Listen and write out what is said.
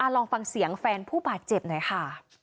ลองฟังเสียงแฟนผู้บาดเจ็บหน่อยค่ะ